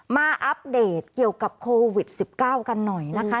อัปเดตเกี่ยวกับโควิด๑๙กันหน่อยนะคะ